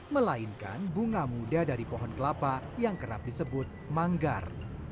melainkan bunga muda dari pohon kelapa yang kerap disebut manggar